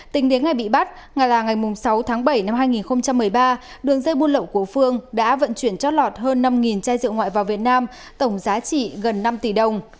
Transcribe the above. tính đến ngày bị bắt nga là ngày sáu tháng bảy năm hai nghìn một mươi ba đường dây buôn lậu của phương đã vận chuyển chót lọt hơn năm chai rượu ngoại vào việt nam tổng giá trị gần năm tỷ đồng